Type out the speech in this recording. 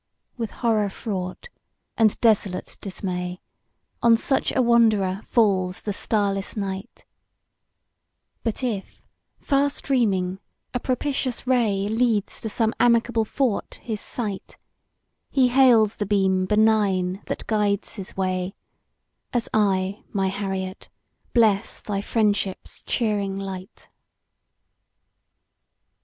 With horror fraught, and desolate dismay, On such a wanderer falls the starless night; But if, far streaming, a propitious ray Leads to some amicable fort his sight, He hails the beam benign that guides his way, As I, my Harriet, bless thy friendship's cheering light.